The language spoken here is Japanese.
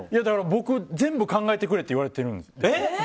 僕、全部考えてくれって言われてるんで。